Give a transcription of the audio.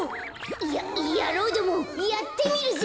ややろうどもやってみるぜ！